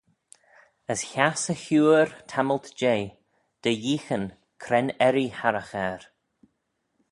As hass e huyr tammylt jeh, dy yeeaghyn cre'n erree harragh er.